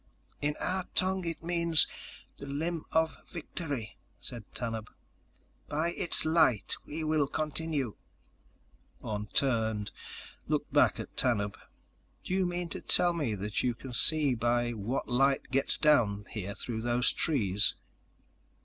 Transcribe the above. "In our tongue it means: The Limb of Victory," said Tanub. "By its light we will continue." Orne turned, looked back at Tanub. "Do you mean to tell me that you can see by what light gets down here through those trees?"